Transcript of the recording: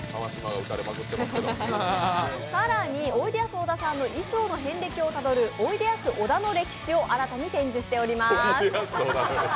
更に、おいでやす小田さんの衣装の遍歴をたどる「おいでやす小田の歴史」を新たに展示しております。